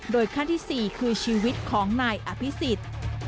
โดยขั้นที่สี่คือชีวิตของนายอภิสิต